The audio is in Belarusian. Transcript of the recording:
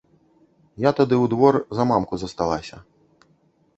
Я тады ў двор за мамку засталася.